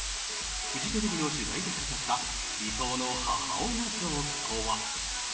フジテレビの取材で語った理想の母親像とは。